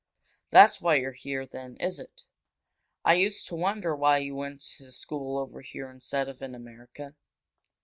"That's why you're here, then, is it? I used to wonder why you went to school over here instead of in America."